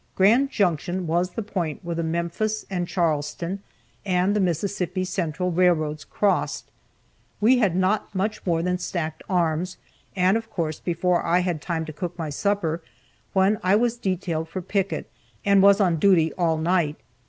Grand Junction was the point where the Memphis & Charleston and the Mississippi Central railroads crossed. We had not much more than stacked arms, and of course before I had time to cook my supper, when I was detailed for picket, and was on duty all night.